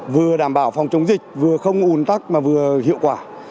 vừa đảm bảo phòng chống dịch vừa không ủn tắc mà vừa hiệu quả